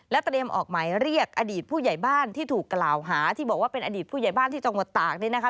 เตรียมออกหมายเรียกอดีตผู้ใหญ่บ้านที่ถูกกล่าวหาที่บอกว่าเป็นอดีตผู้ใหญ่บ้านที่จังหวัดตากเนี่ยนะคะ